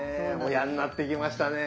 親になってきましたね。ね。